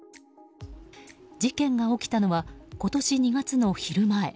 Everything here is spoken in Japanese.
事件が起きたのは今年２月の昼前。